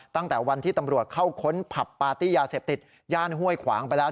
ตั้งแต่วันที่ตำรวจเข้าค้นผับปาร์ตี้ยาเสพติดย่านห้วยขวางไปแล้ว